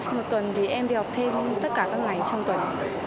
một tuần thì em đi học thêm tất cả các ngày trong tuần